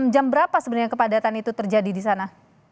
jam berapa sebenarnya kepadatan itu terjadi di sana